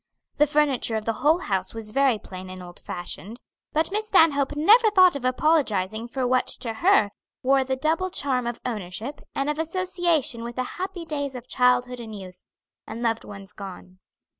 The furniture of the whole house was very plain and old fashioned, but Miss Stanhope never thought of apologizing for what to her wore the double charm of ownership, and of association with the happy days of childhood and youth, and loved ones gone.